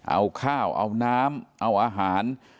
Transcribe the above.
เอาข้าวเอาน้ำเอาอาหาร